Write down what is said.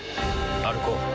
歩こう。